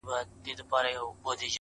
زما له لاسه تر سږمو چي كلى كور سو!.